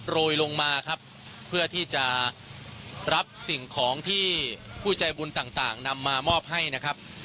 โรยลงมาครับเพื่อที่จะรับสิ่งของที่ผู้ใจบุญต่างนำมามอบให้นะครับ